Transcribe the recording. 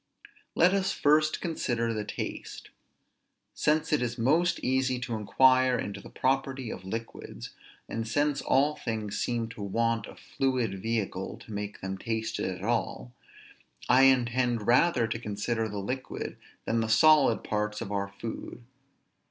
Let us first consider the taste. Since it is most easy to inquire into the property of liquids, and since all things seem to want a fluid vehicle to make them tasted at all, I intend rather to consider the liquid than the solid parts of our food.